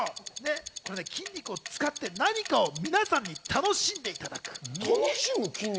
筋肉を使って何かを皆さんに楽しんでもらう。